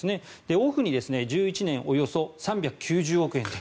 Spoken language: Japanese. オフに１１年、およそ３９０億円と。